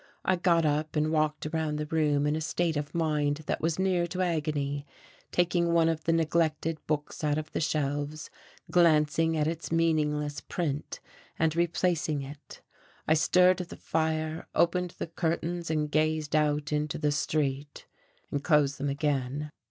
I got up and walked around the room in a state of mind that was near to agony, taking one of the neglected books out of the shelves, glancing at its meaningless print, and replacing it; I stirred the fire, opened the curtains and gazed out into the street and closed them again.